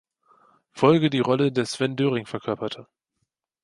Folge die Rolle des "Sven Döring" verkörperte.